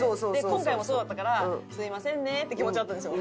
今回もそうだったからすみませんねって気持ちだったんですよ。